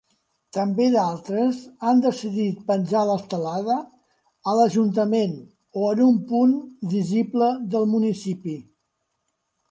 També d'altres han decidit penjar l'estelada a l'ajuntament o en un punt visible del municipi.